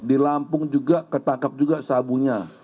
di lampung juga ketangkap juga sabunya